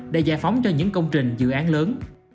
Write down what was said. để giải phóng cho những công trình dự án lớn